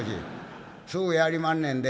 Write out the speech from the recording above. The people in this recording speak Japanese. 「すぐやりまんねんで？」。